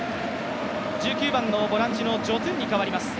１９番のボランチのジョトゥンに代わります。